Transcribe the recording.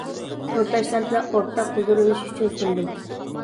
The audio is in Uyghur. تورداشلار بىلەن ئورتاق ھۇزۇرلىنىش ئۈچۈن سۇندۇم.